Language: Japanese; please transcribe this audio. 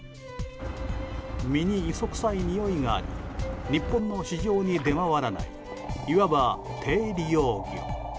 身に磯くさいにおいがあり日本の市場に出回らないいわば、低利用魚。